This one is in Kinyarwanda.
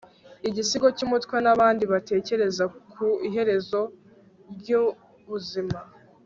igisigo cy'umutwe n'abandi batekereza ku iherezo ry'ubuzima